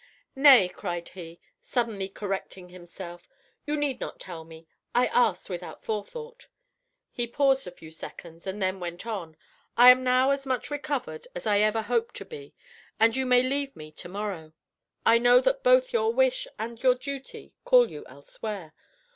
"Nay," cried he, suddenly correcting himself, "you need not tell me; I asked without forethought." He paused a few seconds, and then went on: "I am now as much recovered as I ever hope to be, and you may leave me to morrow. I know that both your wish and your duty call you elsewhere.